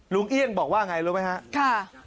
ลุงเอี่ยงบอกว่าอย่างไรรู้ไหมครับค่ะ